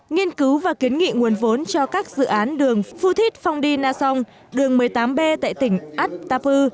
nghiên cứu và kiến nghị nguồn vốn cho các dự án đường phu thít phong đi na song đường một mươi tám b tại tỉnh át ta phư